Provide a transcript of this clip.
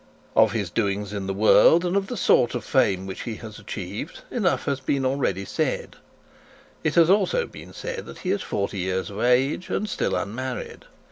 Of his doings in the world, and of the sort of fame which he has achieved, enough has already been said. It has also been said that he is forty years of age, and still unmarried.